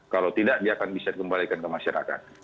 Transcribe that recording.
kalau tidak dia akan bisa dikembalikan ke masyarakat